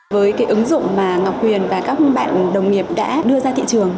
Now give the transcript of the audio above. với cái ứng dụng mà ngọc huyền và các bạn đồng nghiệp đã đưa ra thị trường